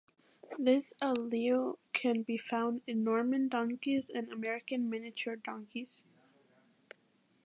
This allele can be found in Norman donkeys and American miniature donkeys.